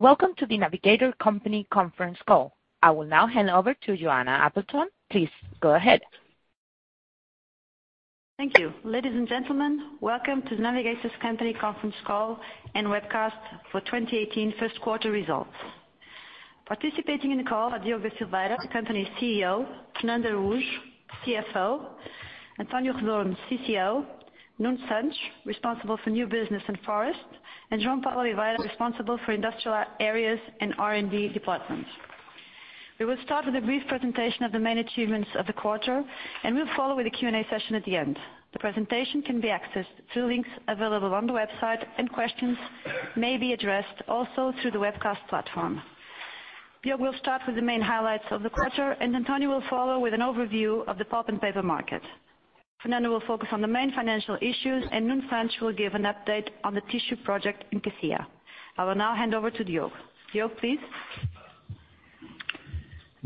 Welcome to The Navigator Company conference call. I will now hand over to Joana Appleton. Please go ahead. Thank you. Ladies and gentlemen, welcome to The Navigator Company's conference call and webcast for 2018 first quarter results. Participating in the call are Diogo da Silveira, the company's CEO, Fernando de Araújo, CFO, António Redondo, CCO, Nuno Santos, responsible for new business and forest, and João Paulo Oliveira, responsible for industrial areas and R&D deployments. We will start with a brief presentation of the main achievements of the quarter, and we will follow with a Q&A session at the end. The presentation can be accessed through links available on the website, and questions may be addressed also through the webcast platform. Diogo will start with the main highlights of the quarter, and António will follow with an overview of the pulp and paper market. Fernando will focus on the main financial issues, and Nuno Sanchez will give an update on the tissue project in Cacia. I will now hand over to Diogo. Diogo, please.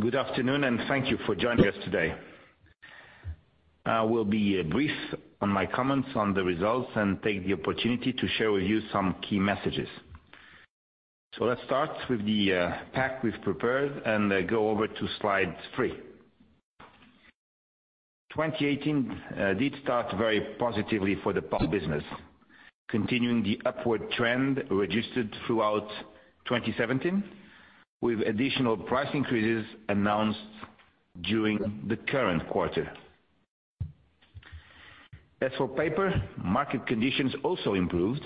Good afternoon, thank you for joining us today. I will be brief on my comments on the results and take the opportunity to share with you some key messages. Let's start with the pack we've prepared and go over to slide three. 2018 did start very positively for the pulp business, continuing the upward trend registered throughout 2017, with additional price increases announced during the current quarter. As for paper, market conditions also improved,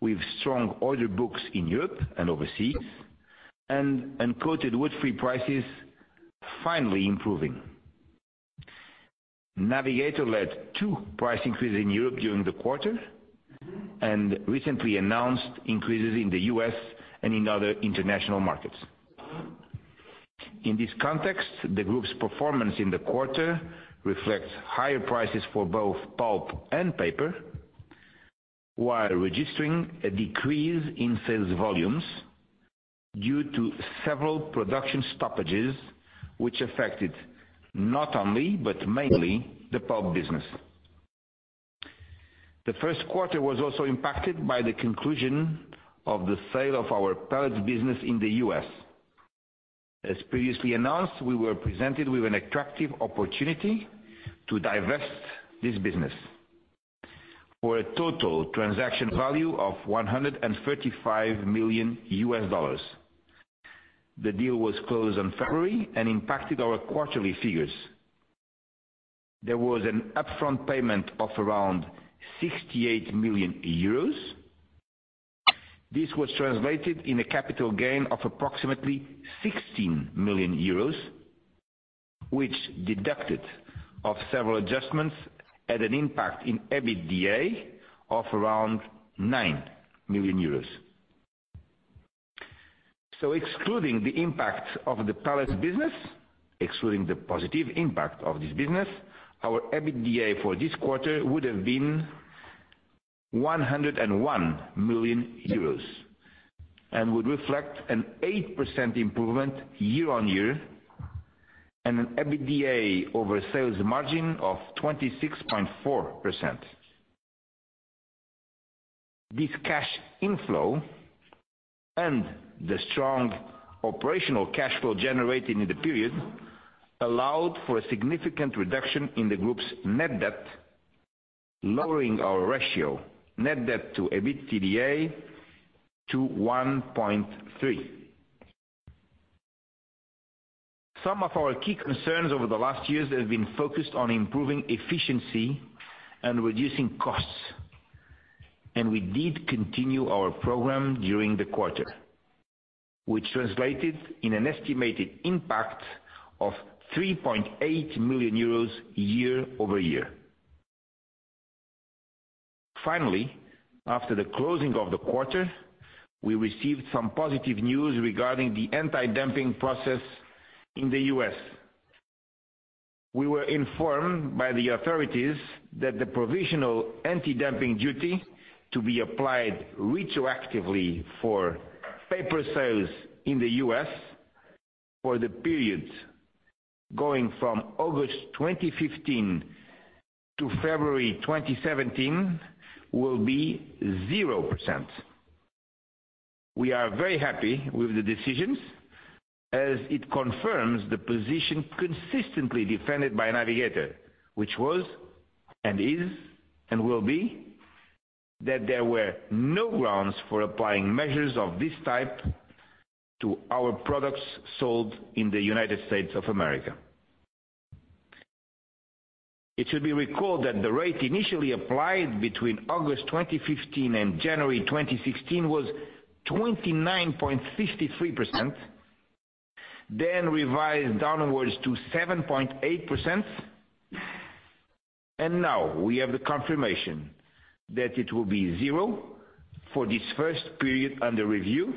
with strong order books in Europe and overseas, and uncoated woodfree prices finally improving. Navigator led two price increases in Europe during the quarter, and recently announced increases in the U.S. and in other international markets. In this context, the group's performance in the quarter reflects higher prices for both pulp and paper, while registering a decrease in sales volumes due to several production stoppages, which affected not only, but mainly the pulp business. The first quarter was also impacted by the conclusion of the sale of our pellets business in the U.S. As previously announced, we were presented with an attractive opportunity to divest this business for a total transaction value of $135 million. The deal was closed in February and impacted our quarterly figures. There was an upfront payment of around 68 million euros. This was translated in a capital gain of approximately 16 million euros, which deducted of several adjustments, had an impact in EBITDA of around EUR 9 million. Excluding the impact of the pellets business, excluding the positive impact of this business, our EBITDA for this quarter would have been 101 million euros and would reflect an 8% improvement year-on-year and an EBITDA over sales margin of 26.4%. This cash inflow and the strong operational cash flow generated in the period allowed for a significant reduction in the group's net debt, lowering our ratio net debt to EBITDA to 1.3. Some of our key concerns over the last years have been focused on improving efficiency and reducing costs, and we did continue our program during the quarter, which translated in an estimated impact of EUR 3.8 million year-over-year. Finally, after the closing of the quarter, we received some positive news regarding the anti-dumping process in the U.S. We were informed by the authorities that the provisional anti-dumping duty to be applied retroactively for paper sales in the U.S. for the period going from August 2015 to February 2017 will be 0%. We are very happy with the decisions as it confirms the position consistently defended by Navigator, which was and is and will be that there were no grounds for applying measures of this type to our products sold in the United States of America. It should be recalled that the rate initially applied between August 2015 and January 2016 was 29.53%, then revised downwards to 7.8%, and now we have the confirmation that it will be zero for this first period under review,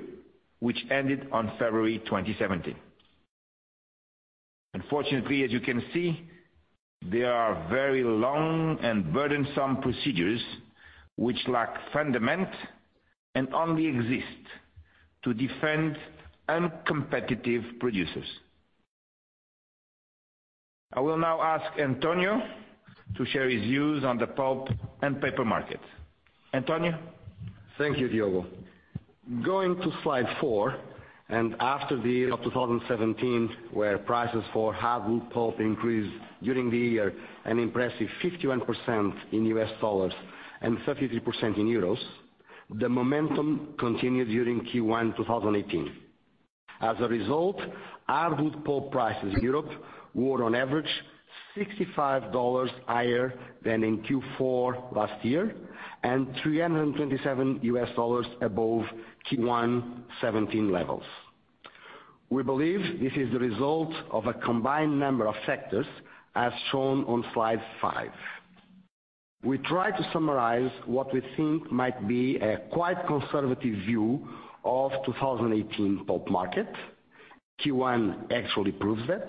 which ended on February 2017. Unfortunately, as you can see, there are very long and burdensome procedures which lack fundament and only exist to defend uncompetitive producers. I will now ask António to share his views on the pulp and paper market. António? Thank you, Diogo. Going to slide four, after the year of 2017, where prices for hardwood pulp increased during the year an impressive 51% in US dollars and 33% in EUR, the momentum continued during Q1 2018. As a result, hardwood pulp prices in Europe were on average $65 higher than in Q4 last year, and $327 above Q1 2017 levels. We believe this is the result of a combined number of factors, as shown on slide five. We try to summarize what we think might be a quite conservative view of 2018 pulp market. Q1 actually proves that,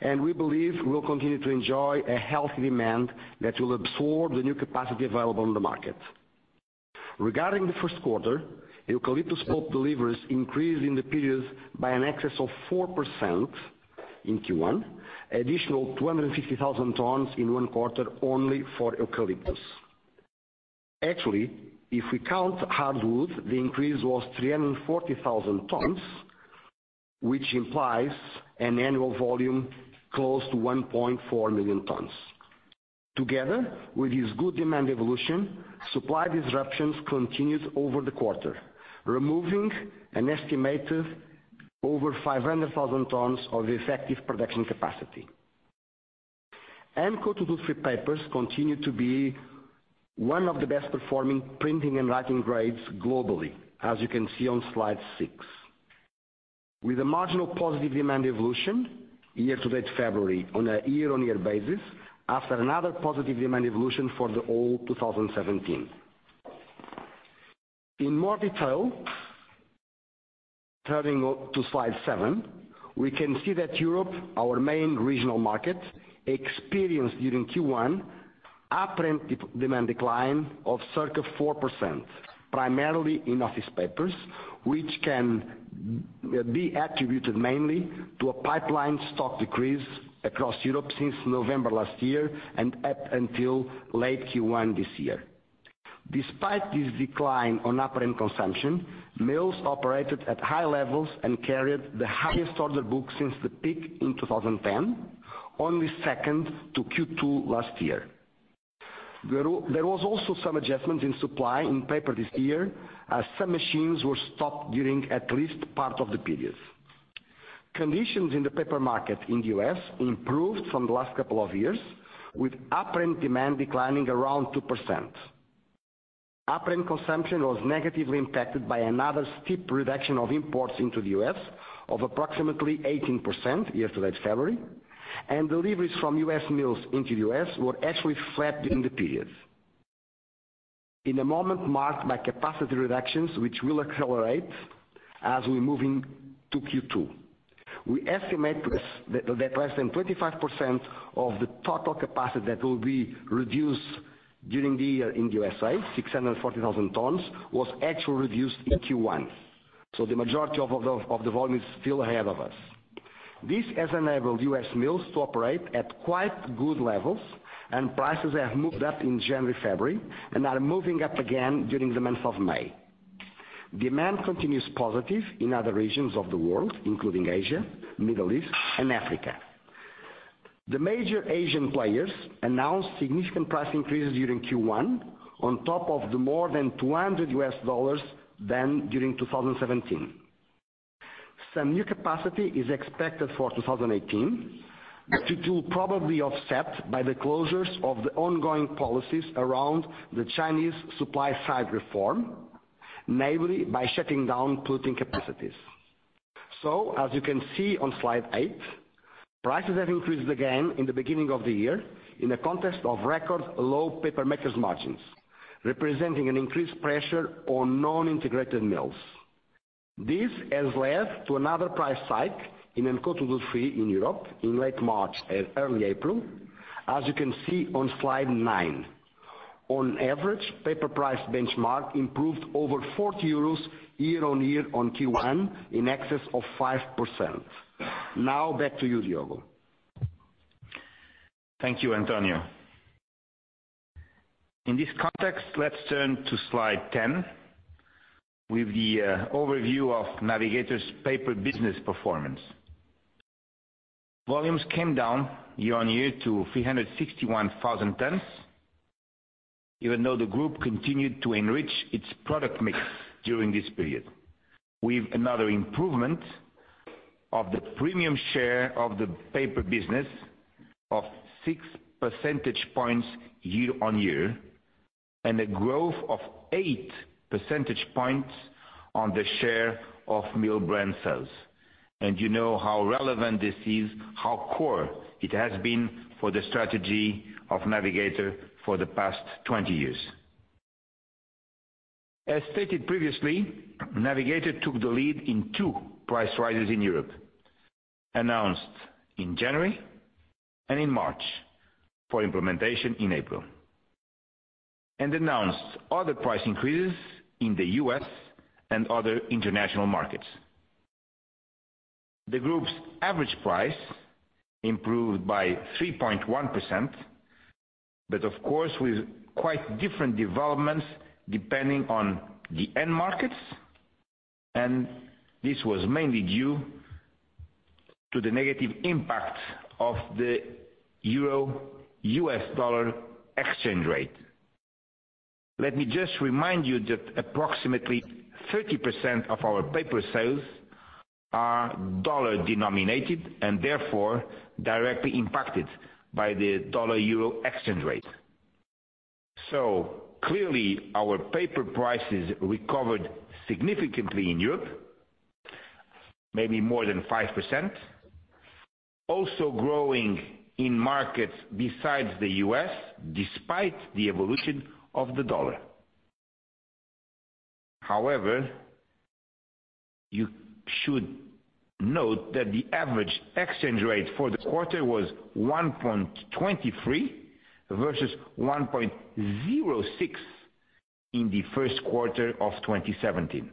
and we believe we'll continue to enjoy a healthy demand that will absorb the new capacity available on the market. Regarding the first quarter, eucalyptus pulp deliveries increased in the period by an excess of 4% in Q1, additional 250,000 tons in one quarter only for eucalyptus. Actually, if we count hardwood, the increase was 340,000 tons, which implies an annual volume close to 1.4 million tons. Together with this good demand evolution, supply disruptions continued over the quarter, removing an estimated over 500,000 tons of effective production capacity. Uncoated woodfree papers continue to be one of the best performing printing and writing grades globally, as you can see on slide six. With a marginal positive demand evolution, year-to-date February on a year-on-year basis, after another positive demand evolution for the all 2017. In more detail, turning to slide seven, we can see that Europe, our main regional market, experienced during Q1 apparent demand decline of circa 4%, primarily in office papers, which can be attributed mainly to a pipeline stock decrease across Europe since November last year and up until late Q1 this year. Despite this decline on apparent consumption, mills operated at high levels and carried the highest order book since the peak in 2010, only second to Q2 last year. There was also some adjustments in supply in paper this year, as some machines were stopped during at least part of the period. Conditions in the paper market in the U.S. improved from the last couple of years, with apparent demand declining around 2%. Apparent consumption was negatively impacted by another steep reduction of imports into the U.S. of approximately 18% year-to-date February, and deliveries from U.S. mills into the U.S. were actually flat in the period. In a moment marked by capacity reductions, which will accelerate as we move into Q2. We estimate that less than 25% of the total capacity that will be reduced during the year in the U.S.A., 640,000 tons, was actually reduced in Q1. The majority of the volume is still ahead of us. This has enabled U.S. mills to operate at quite good levels, and prices have moved up in January, February, and are moving up again during the month of May. Demand continues positive in other regions of the world, including Asia, Middle East, and Africa. The major Asian players announced significant price increases during Q1, on top of the more than EUR 200 than during 2017. Some new capacity is expected for 2018, which will probably be offset by the closures of the ongoing policies around the Chinese supply side reform, namely by shutting down polluting capacities. As you can see on slide eight, prices have increased again in the beginning of the year in the context of record low paper makers' margins, representing an increased pressure on non-integrated mills. This has led to another price hike in uncoated woodfree in Europe in late March, early April, as you can see on slide nine. On average, paper price benchmark improved over 40 euros year-on-year on Q1, in excess of 5%. Now back to you, Diogo. Thank you, António. In this context, let's turn to slide 10 with the overview of Navigator's paper business performance. Volumes came down year-on-year to 361,000 tons, even though the group continued to enrich its product mix during this period with another improvement of the premium share of the paper business of six percentage points year-on-year and a growth of eight percentage points on the share of mill brand sales. You know how relevant this is, how core it has been for the strategy of Navigator for the past 20 years. As stated previously, Navigator took the lead in two price rises in Europe, announced in January and in March for implementation in April. Announced other price increases in the U.S. and other international markets. The group's average price improved by 3.1%, but of course, with quite different developments depending on the end markets, and this was mainly due to the negative impact of the euro-U.S. dollar exchange rate. Let me just remind you that approximately 30% of our paper sales are dollar-denominated and therefore directly impacted by the dollar-euro exchange rate. Clearly our paper prices recovered significantly in Europe, maybe more than 5%, also growing in markets besides the U.S. despite the evolution of the dollar. However, you should note that the average exchange rate for the quarter was 1.23 versus 1.06 in the first quarter of 2017.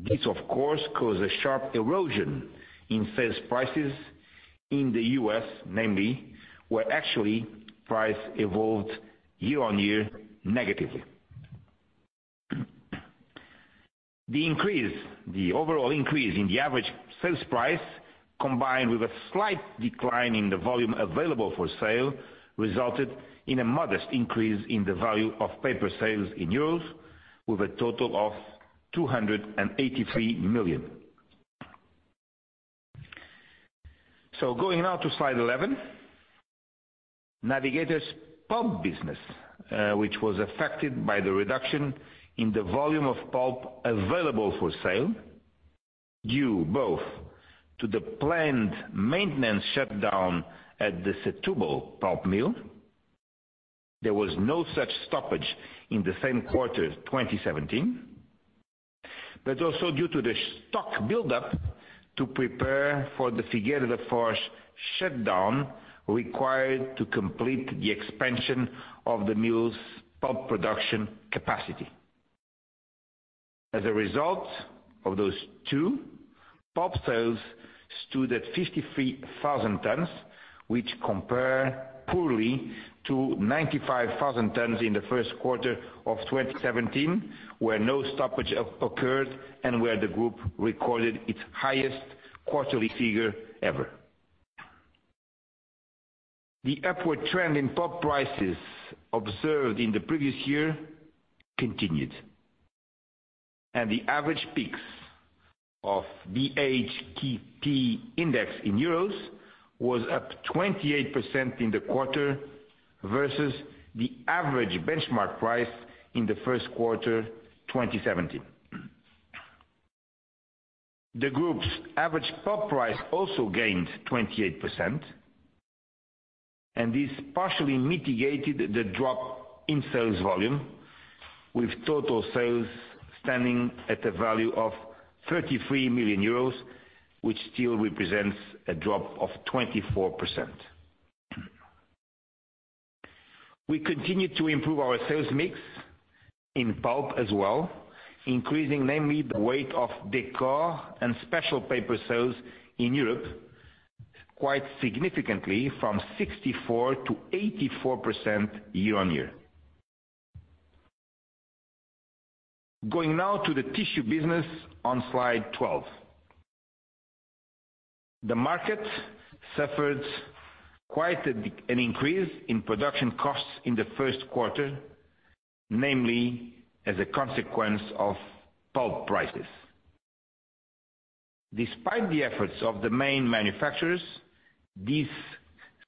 This, of course, caused a sharp erosion in sales prices in the U.S., namely, where actually price evolved year-on-year negatively. The overall increase in the average sales price, combined with a slight decline in the volume available for sale, resulted in a modest increase in the value of paper sales in EUR, with a total of 283 million. Going now to slide 11. Navigator's pulp business, which was affected by the reduction in the volume of pulp available for sale, due both to the planned maintenance shutdown at the Setúbal pulp mill. There was no such stoppage in the same quarter 2017, but also due to the stock buildup to prepare for the Figueira da Foz shutdown required to complete the expansion of the mill's pulp production capacity. As a result of those two, pulp sales stood at 53,000 tons, which compare poorly to 95,000 tons in the first quarter of 2017, where no stoppage occurred and where the group recorded its highest quarterly figure ever. The upward trend in pulp prices observed in the previous year continued. The average peaks of BHKP index in EUR was up 28% in the quarter versus the average benchmark price in the first quarter 2017. The group's average pulp price also gained 28% and this partially mitigated the drop in sales volume, with total sales standing at a value of 33 million euros, which still represents a drop of 24%. We continued to improve our sales mix in pulp as well, increasing namely the weight of decor and special paper sales in Europe quite significantly from 64%-84% year-on-year. Going now to the tissue business on slide 12. The market suffered quite an increase in production costs in the first quarter, namely as a consequence of pulp prices. Despite the efforts of the main manufacturers, this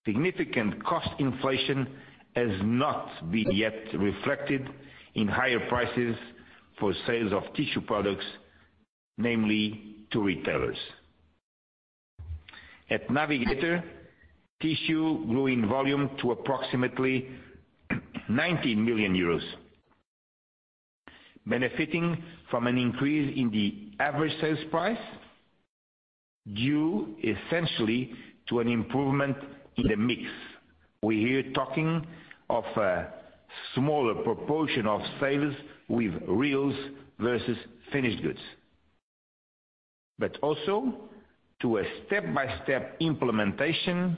significant cost inflation has not been yet reflected in higher prices for sales of tissue products, namely to retailers. At Navigator, tissue grew in volume to approximately 90 million euros, benefiting from an increase in the average sales price due essentially to an improvement in the mix. We are here talking of a smaller proportion of sales with reels versus finished goods. Also to a step-by-step implementation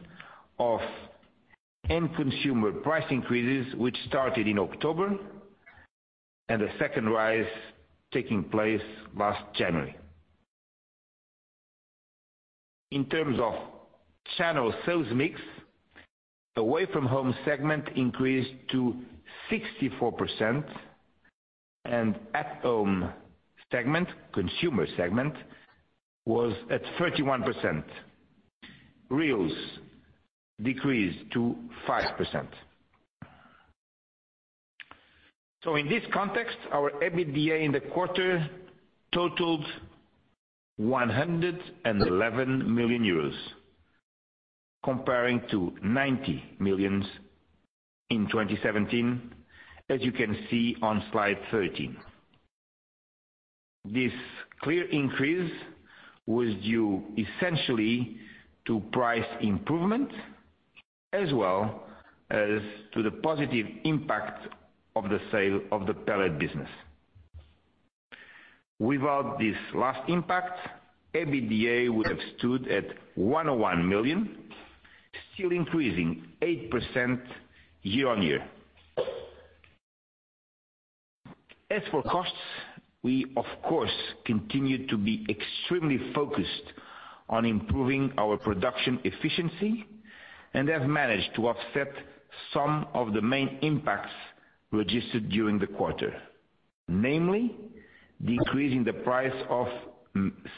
of end consumer price increases, which started in October and a second rise taking place last January. In terms of channel sales mix, away from home segment increased to 64% and at home segment, consumer segment was at 31%. Reels decreased to 5%. In this context, our EBITDA in the quarter totaled 111 million euros comparing to 90 million in 2017, as you can see on slide 13. This clear increase was due essentially to price improvement, as well as to the positive impact of the sale of the pellet business. Without this last impact, EBITDA would have stood at 101 million, still increasing 8% year-on-year. As for costs, we of course continue to be extremely focused on improving our production efficiency and have managed to offset some of the main impacts registered during the quarter. Namely, decreasing the price of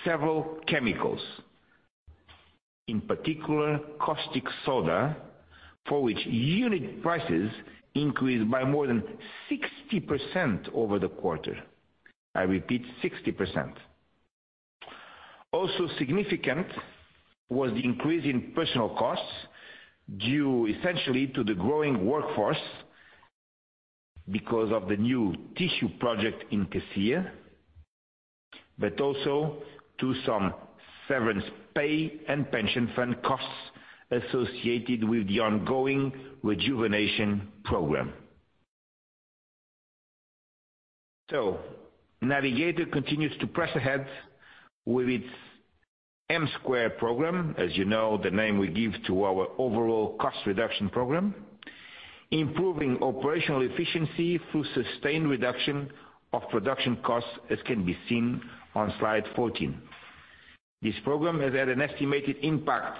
several chemicals, in particular caustic soda, for which unit prices increased by more than 60% over the quarter. I repeat, 60%. Also significant was the increase in personal costs due essentially to the growing workforce because of the new tissue project in Cacia, but also to some severance pay and pension fund costs associated with the ongoing rejuvenation program. Navigator continues to press ahead with its M Squared program, as you know, the name we give to our overall cost reduction program, improving operational efficiency through sustained reduction of production costs, as can be seen on slide 14. This program has had an estimated impact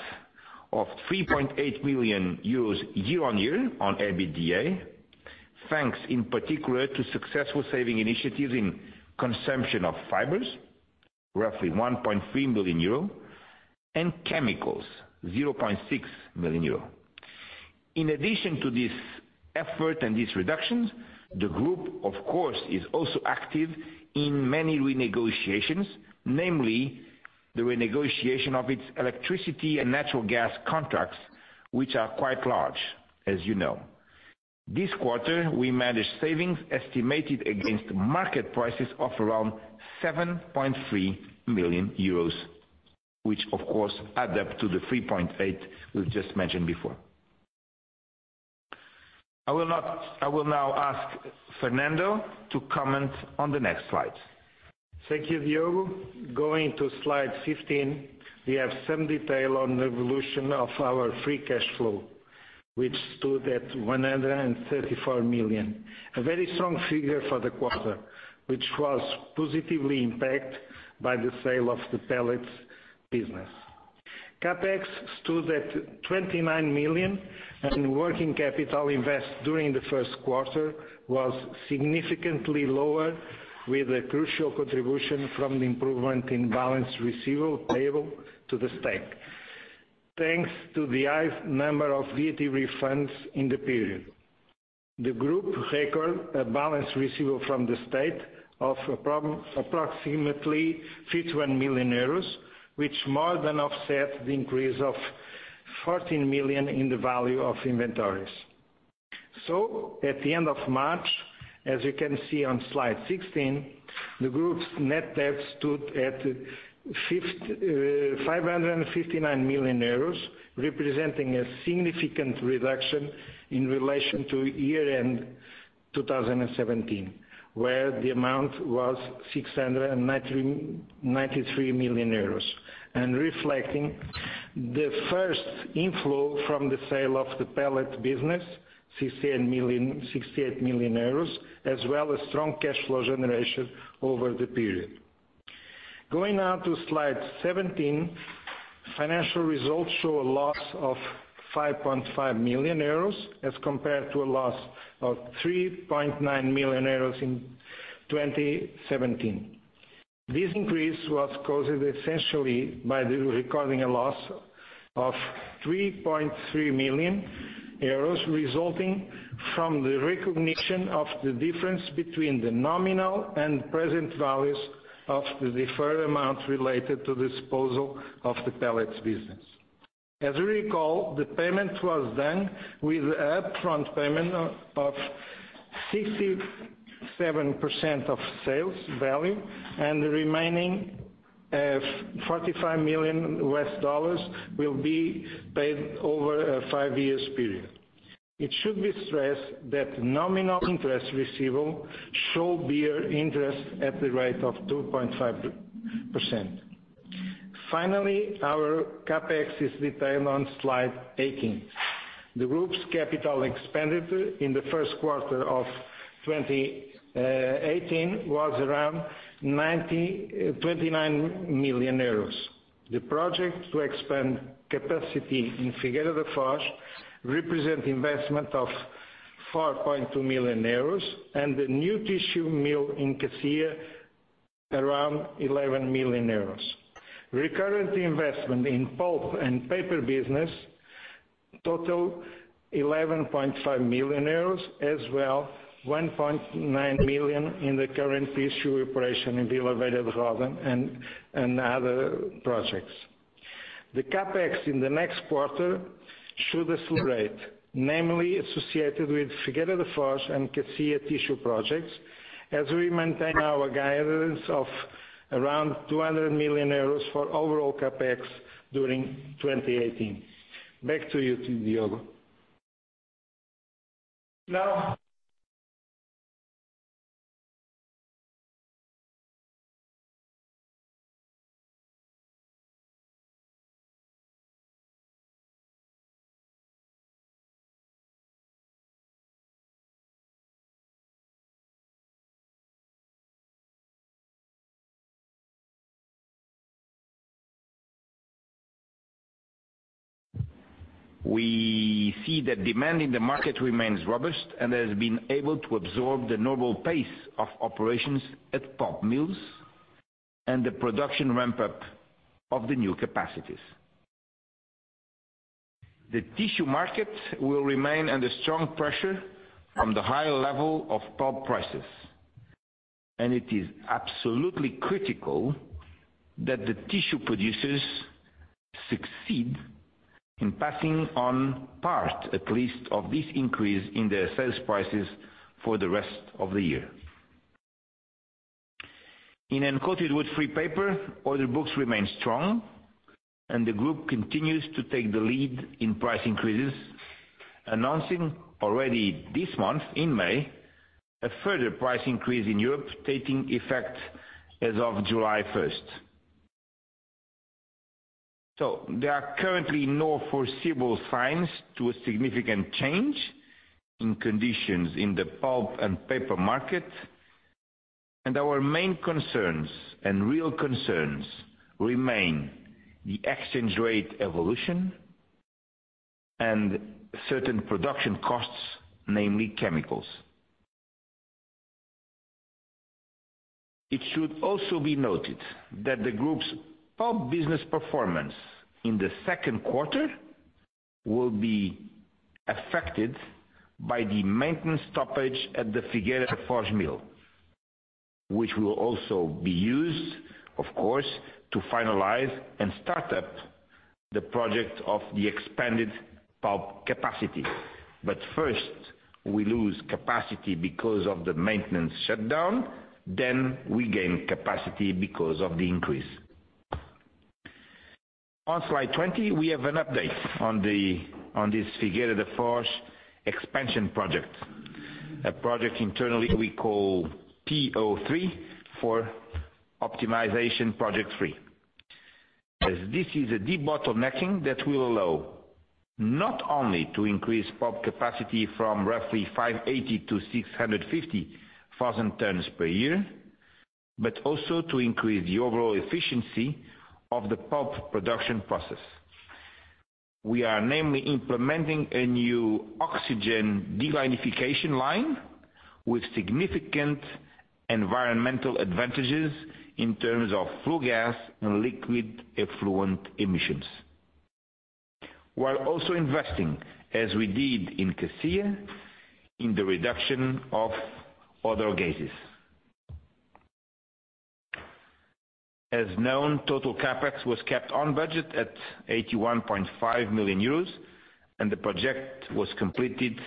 of 3.8 million euros year-on-year on EBITDA, thanks in particular to successful saving initiatives in consumption of fibers, roughly 1.3 million euro, and chemicals, 0.6 million euro. In addition to this effort and these reductions, the group of course is also active in many renegotiations, namely the renegotiation of its electricity and natural gas contracts, which are quite large, as you know. This quarter, we managed savings estimated against market prices of around 7.3 million euros, which of course add up to the 3.8 million we have just mentioned before. I will now ask Fernando to comment on the next slides. Thank you, Diogo. Going to slide 15, we have some detail on the evolution of our free cash flow, which stood at 134 million. A very strong figure for the quarter, which was positively impacted by the sale of the pellets business. CapEx stood at 29 million, and working capital invested during the first quarter was significantly lower with a crucial contribution from the improvement in balance receivable payable to the state. Thanks to the high number of VAT refunds in the period. The group recorded a balance receivable from the state of approximately 31 million euros, which more than offset the increase of 14 million in the value of inventories. At the end of March, as you can see on slide 16, the group's net debt stood at 559 million euros, representing a significant reduction in relation to year-end 2017, where the amount was 693 million euros. Reflecting the first inflow from the sale of the pellet business, 68 million, as well as strong cash flow generation over the period. Going to slide 17, financial results show a loss of 5.5 million euros as compared to a loss of 3.9 million euros in 2017. This increase was caused essentially by recording a loss of 3.3 million euros resulting from the recognition of the difference between the nominal and present values of the deferred amount related to the disposal of the pellets business. As you recall, the payment was done with upfront payment of 67% of sales value and the remaining $45 million will be paid over a five years period. It should be stressed that nominal interest receivable show bear interest at the rate of 2.5%. Finally, our CapEx is detailed on slide 18. The group's capital expenditure in the first quarter of 2018 was around 29 million euros. The project to expand capacity in Figueira da Foz represent investment of 4.2 million euros and the new tissue mill in Cacia around 11 million euros. Recurrent investment in pulp and paper business total 11.5 million euros as well 1.9 million in the current tissue operation in Vila Nova de Famalicão and other projects. The CapEx in the next quarter should accelerate, namely associated with Figueira da Foz and Cacia tissue projects, as we maintain our guidance of around 200 million euros for overall CapEx during 2018. Back to you, Diogo. We see that demand in the market remains robust and has been able to absorb the normal pace of operations at pulp mills and the production ramp-up of the new capacities. The tissue market will remain under strong pressure from the high level of pulp prices, and it is absolutely critical that the tissue producers succeed in passing on part, at least, of this increase in their sales prices for the rest of the year. In uncoated woodfree paper, order books remain strong and the group continues to take the lead in price increases, announcing already this month, in May, a further price increase in Europe taking effect as of July 1st. There are currently no foreseeable signs to a significant change in conditions in the pulp and paper market, and our main concerns and real concerns remain the exchange rate evolution and certain production costs, namely chemicals. It should also be noted that the group's pulp business performance in the second quarter will be affected by the maintenance stoppage at the Figueira da Foz mill, which will also be used, of course, to finalize and start up the project of the expanded pulp capacity. But first we lose capacity because of the maintenance shutdown, then we gain capacity because of the increase. On slide 20, we have an update on this Figueira da Foz expansion project, a project internally we call P03 for optimization project three. As this is a debottlenecking that will allow not only to increase pulp capacity from roughly 580,000 to 650,000 tons per year, but also to increase the overall efficiency of the pulp production process. We are namely implementing a new oxygen delignification line with significant environmental advantages in terms of flue gas and liquid effluent emissions, while also investing as we did in Cacia in the reduction of other gases. As known, total CapEx was kept on budget at 81.5 million euros and the project was completed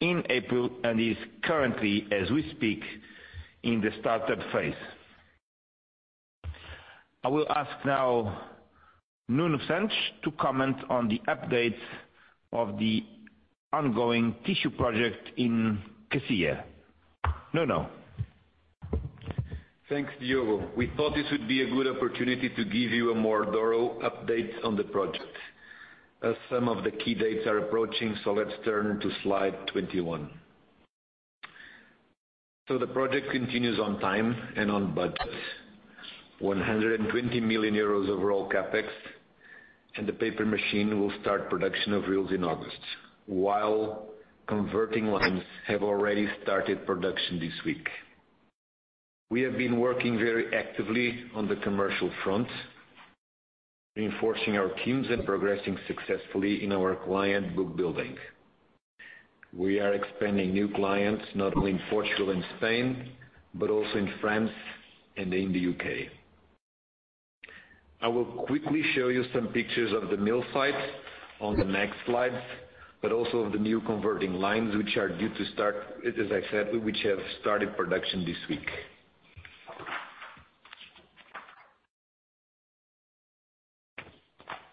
in April and is currently as we speak in the startup phase. I will ask now Nuno Santos to comment on the updates of the ongoing tissue project in Cacia. Nuno. Thanks, Diogo. We thought this would be a good opportunity to give you a more thorough update on the project as some of the key dates are approaching. Let's turn to slide 21. The project continues on time and on budget. 120 million euros overall CapEx and the paper machine will start production of reels in August while converting lines have already started production this week. We have been working very actively on the commercial front, reinforcing our teams and progressing successfully in our client book building. We are expanding new clients not only in Portugal and Spain, but also in France and in the U.K. I will quickly show you some pictures of the mill site on the next slides, but also of the new converting lines which are due to start, as I said, which have started production this week.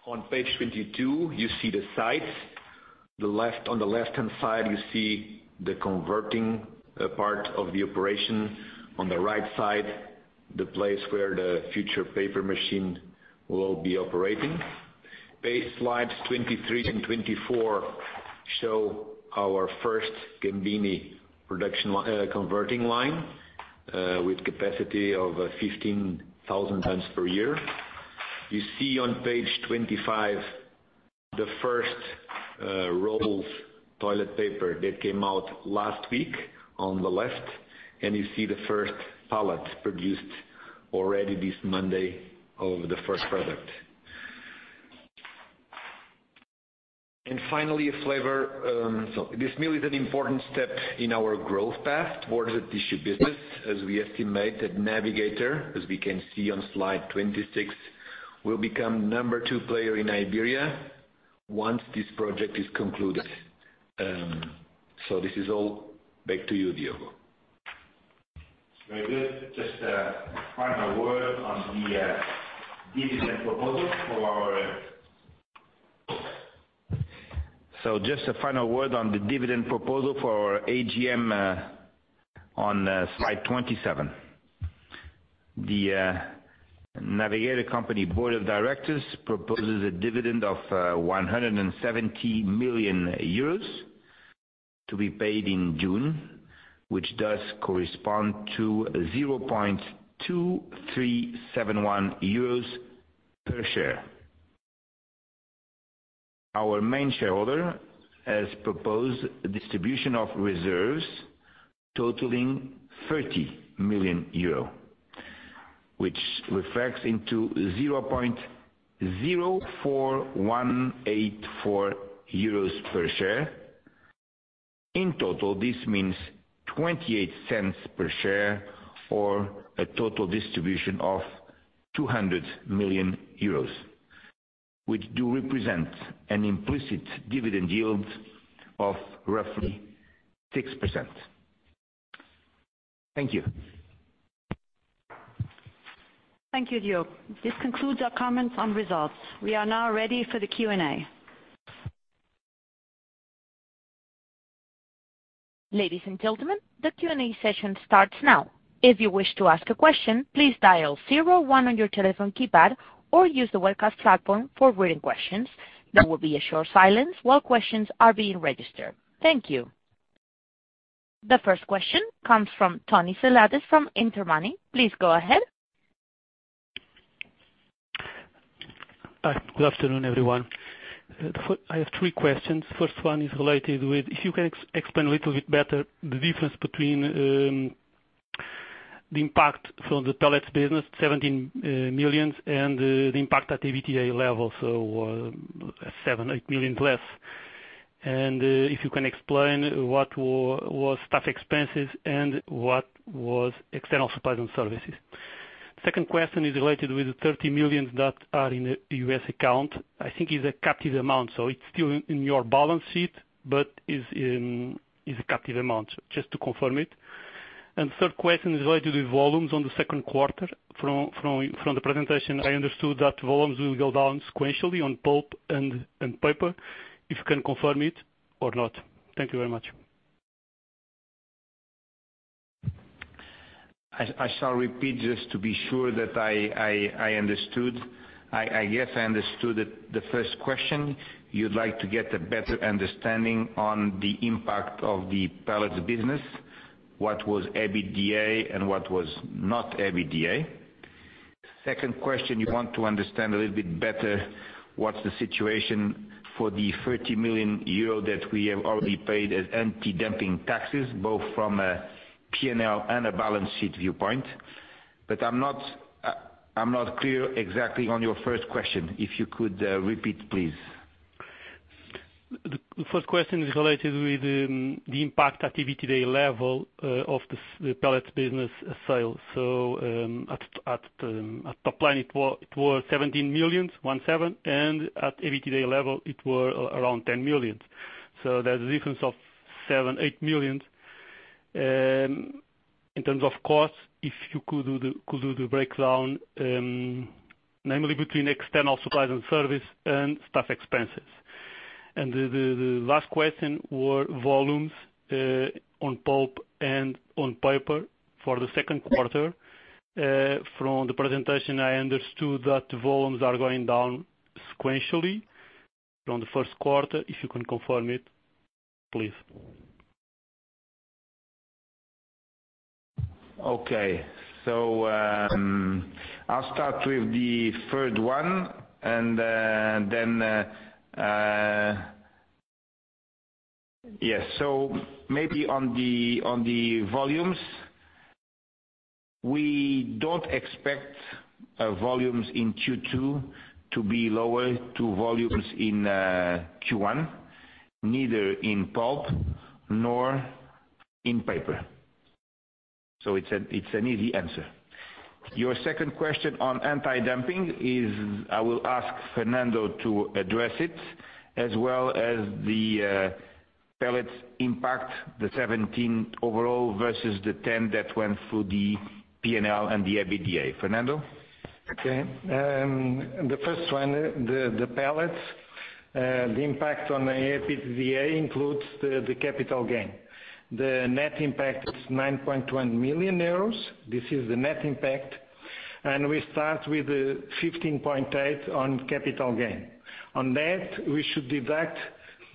On page 22, you see the sites. On the left-hand side, you see the converting part of the operation. On the right side, the place where the future paper machine will be operating. Slide 23 and 24 show our first Gemini converting line with capacity of 15,000 tons per year. You see on page 25 the first rolls of toilet paper that came out last week on the left, and you see the first pallet produced already this Monday of the first product. Finally, this really is an important step in our growth path towards the tissue business, as we estimate that Navigator, as we can see on slide 26, will become number 2 player in Iberia once this project is concluded. This is all. Back to you, Diogo. Just a final word on the dividend proposal for our AGM on slide 27. The Navigator Company Board of Directors proposes a dividend of 170 million euros to be paid in June, which does correspond to 0.2371 euros per share. Our main shareholder has proposed a distribution of reserves totaling 30 million euro, which reflects into 0.04184 euros per share. In total, this means 0.28 per share, or a total distribution of 200 million euros, which do represent an implicit dividend yield of roughly 6%. Thank you. Thank you, Diogo. This concludes our comments on results. We are now ready for the Q&A. Ladies and gentlemen, the Q&A session starts now. If you wish to ask a question, please dial zero-one on your telephone keypad or use the webcast platform for written questions. There will be a short silence while questions are being registered. Thank you. The first question comes from António Seladas from Intermoney. Please go ahead. Hi. Good afternoon, everyone. I have three questions. First one is related with, if you can explain a little bit better the difference between the impact from the pellets business, 17 million, and the impact at EBITDA level. Seven, eight million less. If you can explain what was staff expenses and what was external supplies and services. Second question is related with the 30 million that are in the U.S. account. I think it's a captive amount, so it's still in your balance sheet, but it's a captive amount. Just to confirm it. Third question is related with volumes on the second quarter. From the presentation, I understood that volumes will go down sequentially on pulp and paper. If you can confirm it or not. Thank you very much. I shall repeat just to be sure that I understood. I guess I understood the first question. You'd like to get a better understanding on the impact of the pellets business. What was EBITDA and what was not EBITDA. Second question, you want to understand a little bit better what's the situation for the 30 million euro that we have already paid as anti-dumping taxes, both from a P&L and a balance sheet viewpoint. I'm not clear exactly on your first question. If you could repeat, please. The first question is related with the impact at EBITDA level of the pellets business sale. At top line it was 17 million, one seven, and at EBITDA level it was around 10 million. There's a difference of 7 million-8 million. In terms of cost, if you could do the breakdown, namely between external supplies and service and staff expenses. The last question were volumes on pulp and on paper for the second quarter. From the presentation, I understood that volumes are going down sequentially from the first quarter. If you can confirm it, please. I'll start with the third one. Maybe on the volumes. We don't expect volumes in Q2 to be lower to volumes in Q1, neither in pulp nor in paper. It's an easy answer. Your second question on anti-dumping is, I will ask Fernando to address it as well as the pellets impact, the 17 million overall versus the 10 million that went through the P&L and the EBITDA. Fernando? The first one, the pellets. The impact on the EBITDA includes the capital gain. The net impact is 9.1 million euros. This is the net impact. We start with 15.8 million on capital gain. On that, we should deduct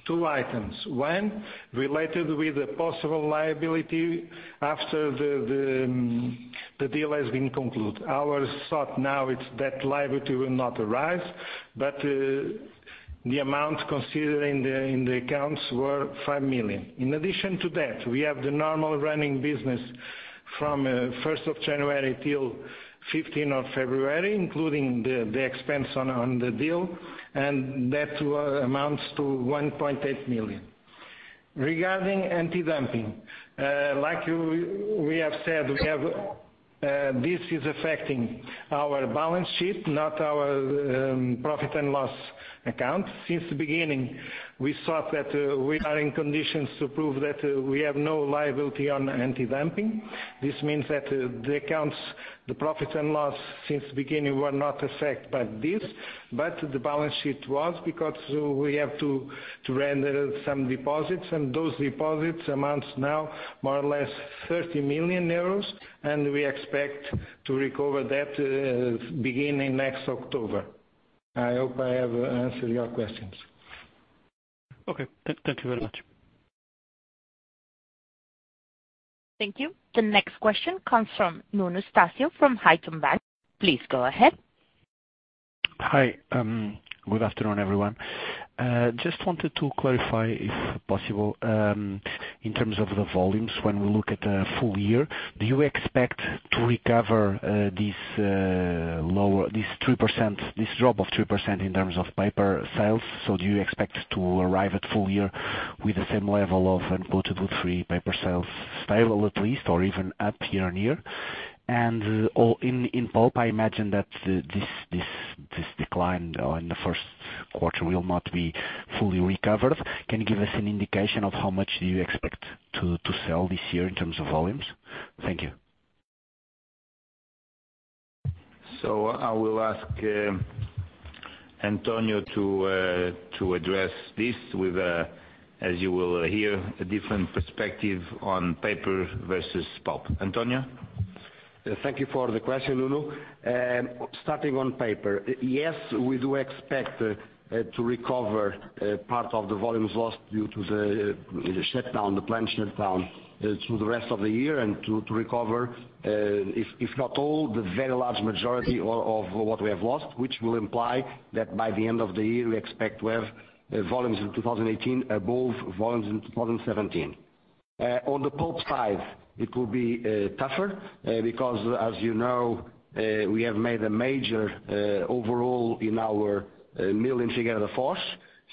two items. One, related with the possible liability after the deal has been concluded. Our thought now is that liability will not arise, but the amount considered in the accounts were 5 million. In addition to that, we have the normal running business From 1st of January till 15 of February, including the expense on the deal, and that amounts to 1.8 million. Regarding anti-dumping, like we have said, this is affecting our balance sheet, not our profit and loss account. Since the beginning, we thought that we are in conditions to prove that we have no liability on anti-dumping. This means that the accounts, the profit and loss, since the beginning were not affected by this, but the balance sheet was because we have to render some deposits. Those deposits amounts now more or less 30 million euros. We expect to recover that beginning next October. I hope I have answered your questions. Okay. Thank you very much. Thank you. The next question comes from Nuno Estácio from Haitong Bank. Please go ahead. Hi. Good afternoon, everyone. Just wanted to clarify, if possible, in terms of the volumes, when we look at a full year, do you expect to recover this drop of 3% in terms of paper sales? Do you expect to arrive at full year with the same level of uncoated woodfree paper sales stable, at least, or even up year on year? In pulp, I imagine that this decline in the first quarter will not be fully recovered. Can you give us an indication of how much do you expect to sell this year in terms of volumes? Thank you. I will ask António to address this with, as you will hear, a different perspective on paper versus pulp. António? Thank you for the question, Nuno. Starting on paper. Yes, we do expect to recover part of the volumes lost due to the plant shutdown through the rest of the year and to recover, if not all, the very large majority of what we have lost, which will imply that by the end of the year, we expect to have volumes in 2018 above volumes in 2017. On the pulp side, it will be tougher because, as you know, we have made a major overhaul in our mill in Figueira da Foz,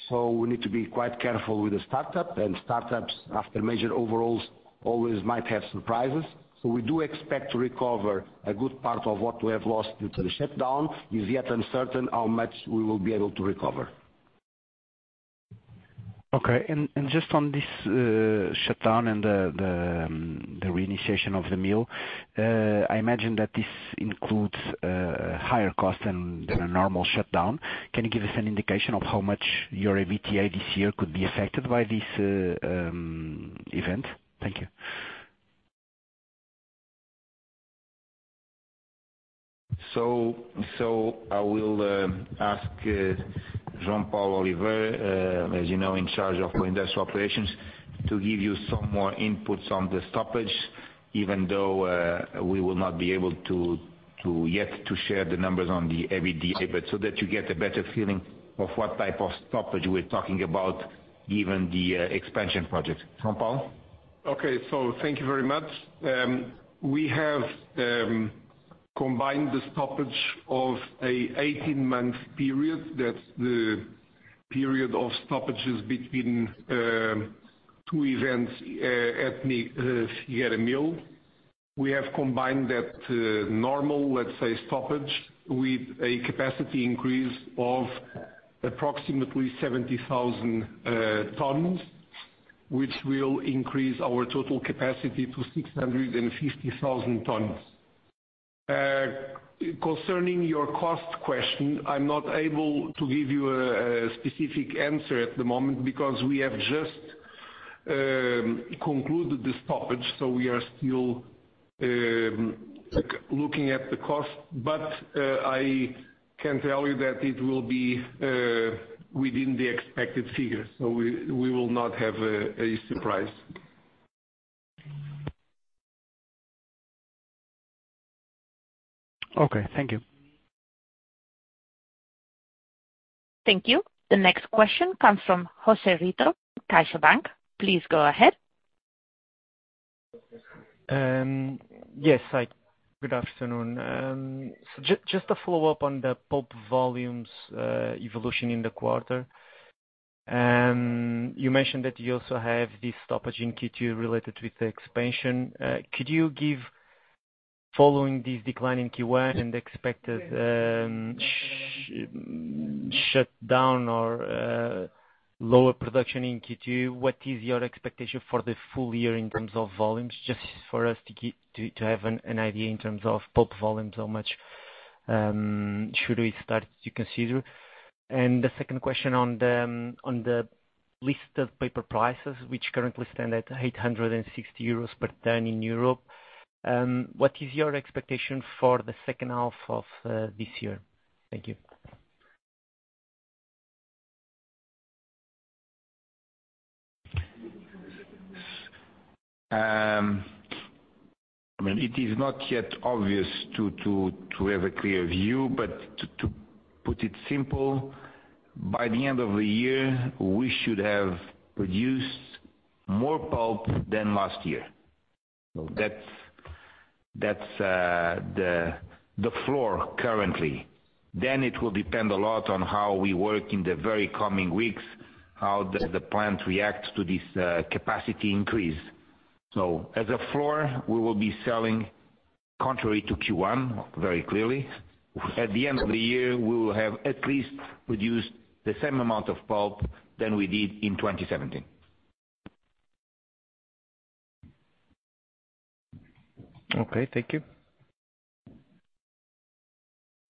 so we need to be quite careful with the startup. Startups after major overhauls always might have surprises. We do expect to recover a good part of what we have lost due to the shutdown. It's yet uncertain how much we will be able to recover. Okay. Just on this shutdown and the reinitiation of the mill, I imagine that this includes a higher cost than a normal shutdown. Can you give us an indication of how much your EBITDA this year could be affected by this event? Thank you. I will ask João Paulo Oliveira, as you know, in charge of industrial operations, to give you some more inputs on the stoppage, even though we will not be able yet to share the numbers on the EBITDA, but so that you get a better feeling of what type of stoppage we are talking about given the expansion project. João Paulo? Okay. Thank you very much. We have combined the stoppage of an 18-month period. That's the period of stoppages between two events at Figueira mill. We have combined that normal, let's say, stoppage with a capacity increase of approximately 70,000 tons, which will increase our total capacity to 650,000 tons. Concerning your cost question, I'm not able to give you a specific answer at the moment because we have just concluded the stoppage, so we are still looking at the cost. But I can tell you that it will be within the expected figures, so we will not have a surprise. Okay. Thank you. Thank you. The next question comes from José Rito, CaixaBank. Please go ahead. Hi, good afternoon. Just a follow-up on the pulp volumes evolution in the quarter. You mentioned that you also have this stoppage in Q2 related with the expansion. Following this decline in Q1 and expected shutdown or lower production in Q2, what is your expectation for the full year in terms of volumes? Just for us to have an idea in terms of pulp volumes, how much should we start to consider? And the second question on the listed paper prices, which currently stand at 860 euros per ton in Europe. What is your expectation for the second half of this year? Thank you. It is not yet obvious to have a clear view, but to put it simple By the end of the year, we should have produced more pulp than last year. That's the floor currently. It will depend a lot on how we work in the very coming weeks, how the plant reacts to this capacity increase. As a floor, we will be selling contrary to Q1 very clearly. At the end of the year, we will have at least produced the same amount of pulp than we did in 2017. Okay. Thank you.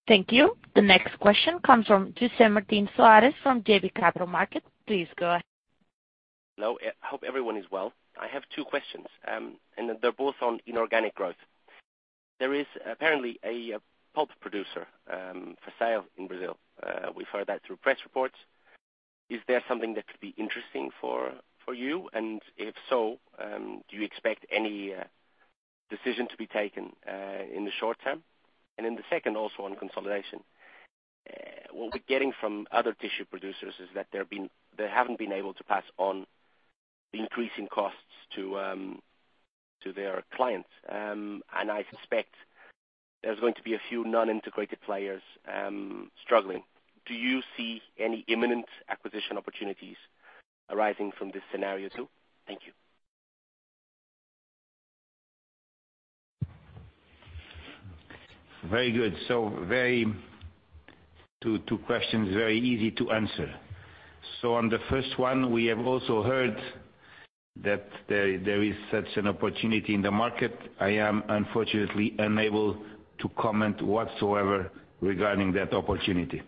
Thank you. The next question comes from José Martins Soares from JB Capital Markets. Please go ahead. Hello. I hope everyone is well. I have two questions. They're both on inorganic growth. There is apparently a pulp producer for sale in Brazil. We've heard that through press reports. Is there something that could be interesting for you? If so, do you expect any decision to be taken, in the short term? The second also on consolidation. What we're getting from other tissue producers is that they haven't been able to pass on the increasing costs to their clients. I suspect there's going to be a few non-integrated players struggling. Do you see any imminent acquisition opportunities arising from this scenario, too? Thank you. Very good. Two questions, very easy to answer. On the first one, we have also heard that there is such an opportunity in the market. I am unfortunately unable to comment whatsoever regarding that opportunity.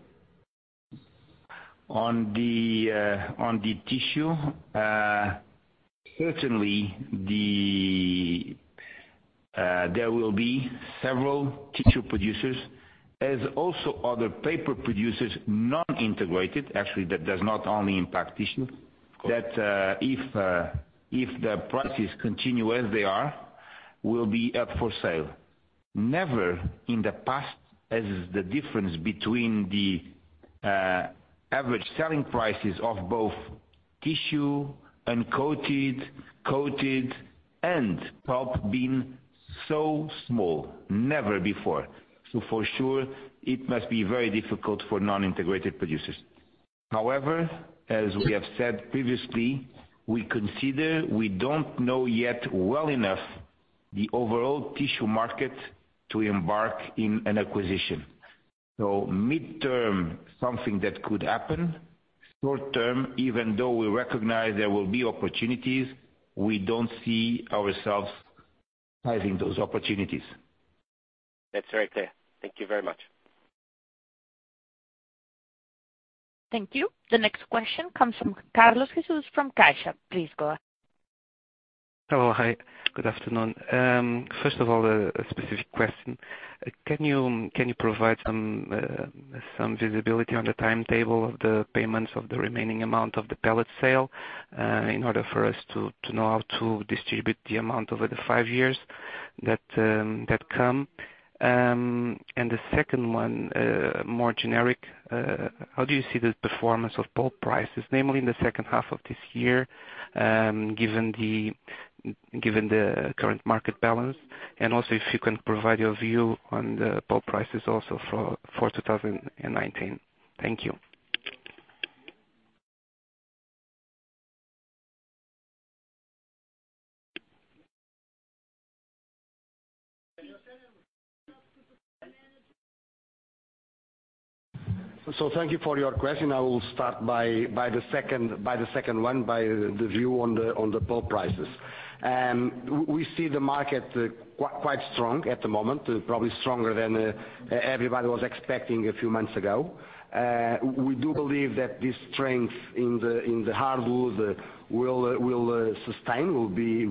On the tissue, certainly, there will be several tissue producers, as also other paper producers, non-integrated, actually, that does not only impact tissue. Of course. That if the prices continue as they are, will be up for sale. Never in the past has the difference between the average selling prices of both tissue, uncoated, coated, and pulp being so small, never before. For sure, it must be very difficult for non-integrated producers. However, as we have said previously, we consider we don't know yet well enough the overall tissue market to embark on an acquisition. Midterm, something that could happen. Short term, even though we recognize there will be opportunities, we don't see ourselves having those opportunities. That's very clear. Thank you very much. Thank you. The next question comes from Carlos Jesus from CaixaBI. Please go ahead. Hello. Hi, good afternoon. First of all, a specific question. Can you provide some visibility on the timetable of the payments of the remaining amount of the pellet sale, in order for us to know how to distribute the amount over the five years that come? The second one, more generic, how do you see the performance of pulp prices, namely in the second half of this year, given the current market balance? Also, if you can provide your view on the pulp prices also for 2019. Thank you. Thank you for your question. I will start by the second one, by the view on the pulp prices. We see the market quite strong at the moment, probably stronger than everybody was expecting a few months ago. We do believe that this strength in the hardwood will sustain,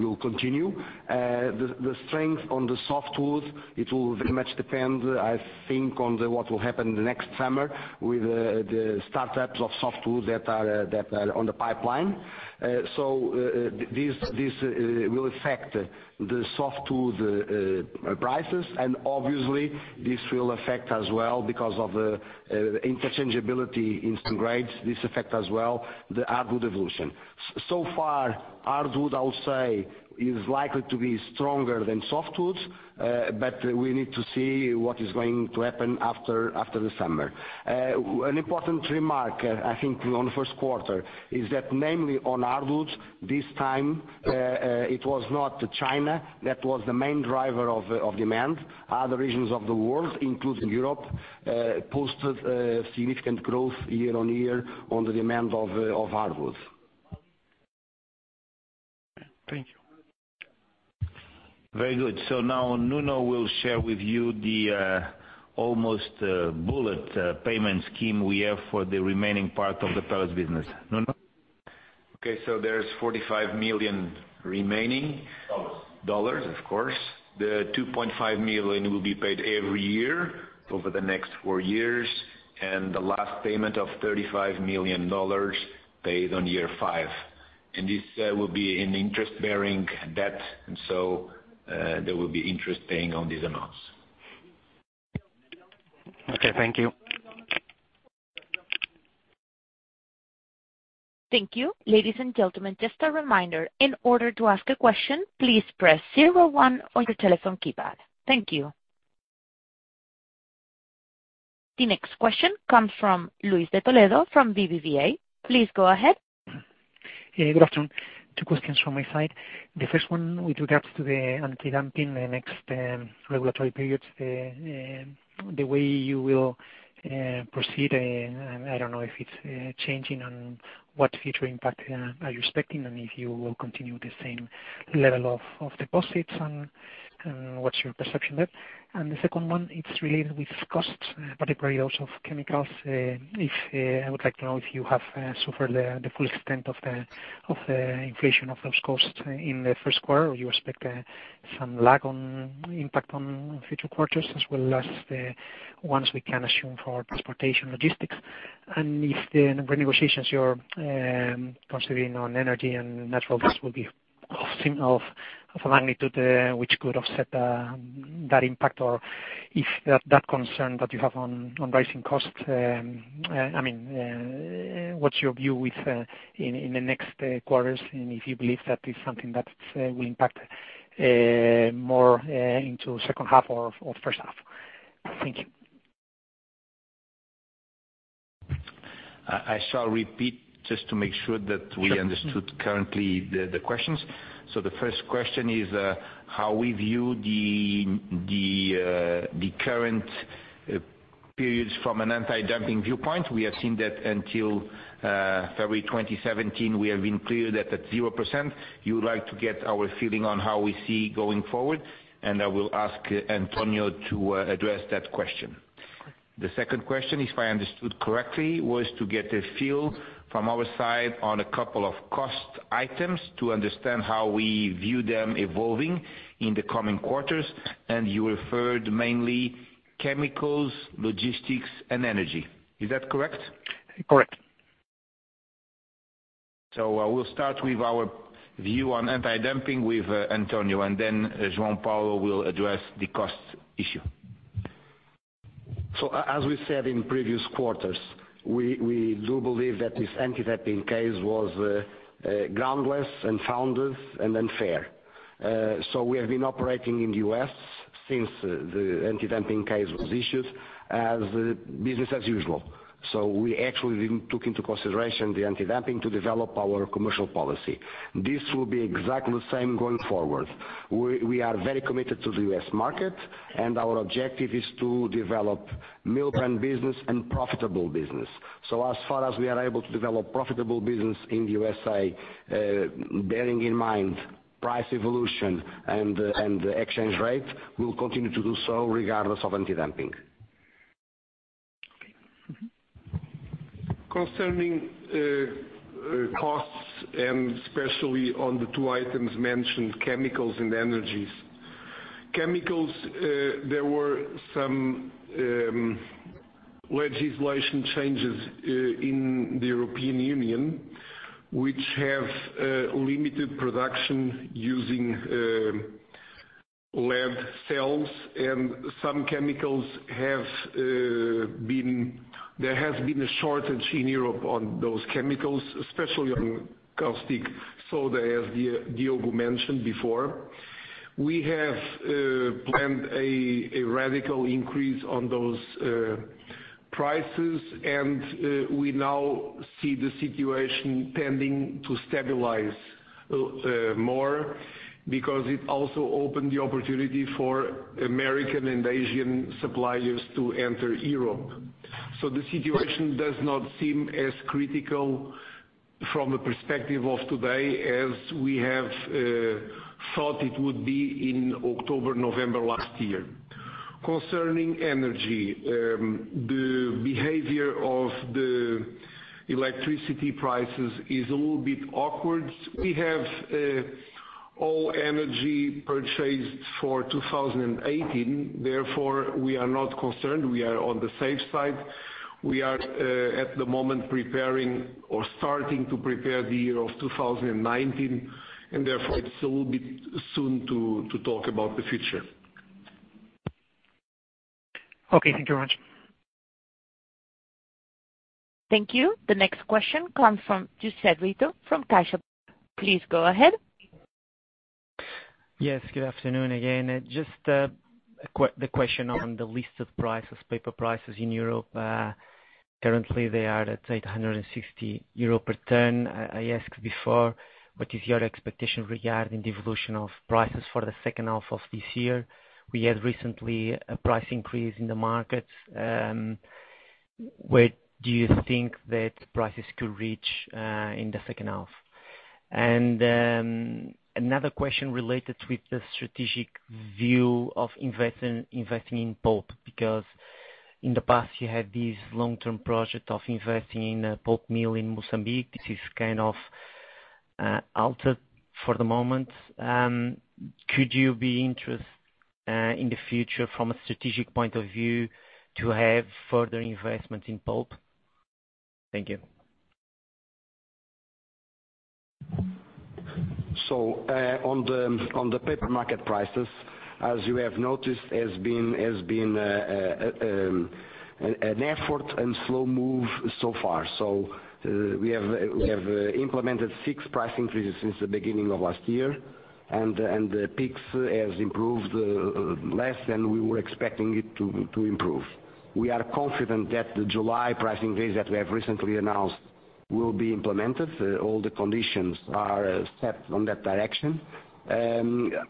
will continue. The strength on the softwoods, it will very much depend, I think, on what will happen the next summer with the startups of softwoods that are on the pipeline. This will affect the softwood prices, and obviously this will affect as well because of the interchangeability in some grades. This affect as well the hardwood evolution. Far, hardwood, I'll say, is likely to be stronger than softwoods, but we need to see what is going to happen after the summer. An important remark, I think, on the first quarter is that namely on hardwoods this time, it was not China that was the main driver of demand. Other regions of the world, including Europe, posted significant growth year-on-year on the demand of hardwoods. Thank you. Very good. Now Nuno will share with you the almost bullet payment scheme we have for the remaining part of the pellets business. Nuno? Okay, there's 45 million remaining. Dollars. Dollars, of course. The $2.5 million will be paid every year over the next four years, the last payment of $35 million paid on year five. This will be an interest-bearing debt. There will be interest paying on these amounts. Okay, thank you. Thank you. Ladies and gentlemen, just a reminder. In order to ask a question, please press 01 on your telephone keypad. Thank you. The next question comes from Luis de Toledo from BBVA. Please go ahead. Good afternoon. Two questions from my side. The first one with regards to the anti-dumping the next regulatory periods, the way you will proceed. I don't know if it's changing, what future impact are you expecting, if you will continue the same level of deposits and what's your perception there? The second one is related with costs, particularly those of chemicals. I would like to know if you have suffered the full extent of the inflation of those costs in the first quarter or you expect some lag on impact on future quarters as well as the ones we can assume for transportation logistics. If the renegotiations you're considering on energy and natural gas will be of a magnitude which could offset that impact, or if that concern that you have on rising costs. What's your view in the next quarters, and if you believe that is something that will impact more into second half or first half? Thank you. I shall repeat just to make sure that we understood currently the questions. The first question is how we view the current periods from an anti-dumping viewpoint. We have seen that until February 2017, we have been clear that at 0%, you would like to get our feeling on how we see going forward, and I will ask António to address that question. The second question, if I understood correctly, was to get a feel from our side on a couple of cost items to understand how we view them evolving in the coming quarters, and you referred mainly chemicals, logistics, and energy. Is that correct? Correct. We'll start with our view on anti-dumping with António, and then João Paulo will address the cost issue. As we said in previous quarters, we do believe that this anti-dumping case was groundless, unfounded, and unfair. We have been operating in the U.S. since the anti-dumping case was issued as business as usual. We actually didn't took into consideration the anti-dumping to develop our commercial policy. This will be exactly the same going forward. We are very committed to the U.S. market, and our objective is to develop mill brand business and profitable business. As far as we are able to develop profitable business in the USA, bearing in mind price evolution and the exchange rate, we'll continue to do so regardless of anti-dumping. Okay. Concerning costs, especially on the two items mentioned, chemicals and energies. Chemicals, there were some legislation changes in the European Union which have limited production using mercury cells, there has been a shortage in Europe on those chemicals, especially on caustic soda, as Diogo mentioned before. We have planned a radical increase on those prices, we now see the situation tending to stabilize more because it also opened the opportunity for American and Asian suppliers to enter Europe. The situation does not seem as critical from the perspective of today as we have thought it would be in October, November last year. Concerning energy, the behavior of the electricity prices is a little bit awkward. We have all energy purchased for 2018, therefore, we are not concerned. We are on the safe side. We are at the moment preparing or starting to prepare the year of 2019, therefore it's a little bit soon to talk about the future. Okay. Thank you very much. Thank you. The next question comes from José Rito from CaixaBank. Please go ahead. Yes, good afternoon again. Just the question on the list of prices, paper prices in Europe. Currently, they are at 860 euro per ton. I asked before, what is your expectation regarding the evolution of prices for the second half of this year? We had recently a price increase in the market. Where do you think that prices could reach in the second half? Another question related with the strategic view of investing in pulp, because in the past you had this long-term project of investing in a pulp mill in Mozambique. This is kind of altered for the moment. Could you be interested, in the future from a strategic point of view, to have further investments in pulp? Thank you. On the paper market prices, as you have noticed, has been an effort and slow move so far. We have implemented six price increases since the beginning of last year, and the PIX has improved less than we were expecting it to improve. We are confident that the July pricing raise that we have recently announced will be implemented. All the conditions are set on that direction.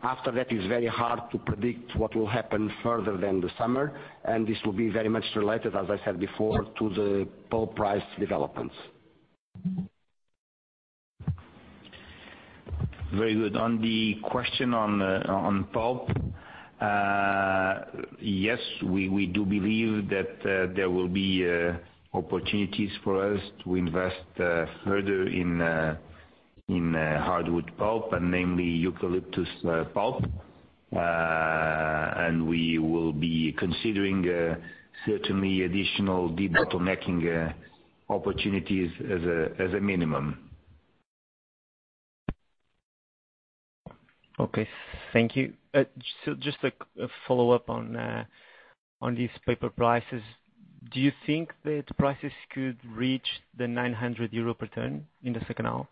After that, it's very hard to predict what will happen further than the summer, and this will be very much related, as I said before, to the pulp price developments. Very good. On the question on pulp, yes, we do believe that there will be opportunities for us to invest further in hardwood pulp and namely eucalyptus pulp. We will be considering certainly additional debottlenecking opportunities as a minimum. Okay. Thank you. Just a follow-up on these paper prices. Do you think that prices could reach the 900 euro per ton in the second half?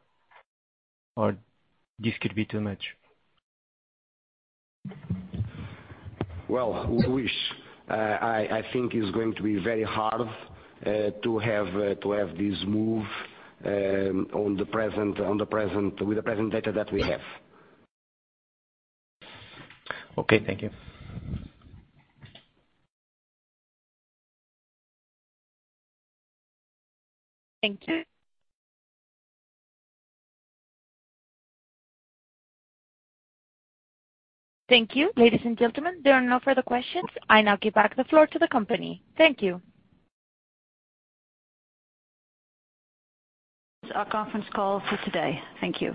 This could be too much? Well, we wish. I think it's going to be very hard to have this move with the present data that we have. Okay. Thank you. Thank you. Thank you. Ladies and gentlemen, there are no further questions. I now give back the floor to the company. Thank you. That ends our conference call for today. Thank you.